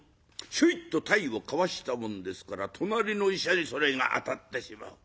ヒョイッと体をかわしたもんですから隣の医者にそれが当たってしまう。